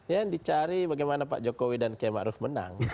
yang dicari bagaimana pak jokowi dan km arief menang